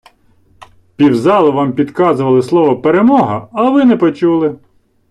Пів залу Вам підказували слово "перемога", а Ви не почули.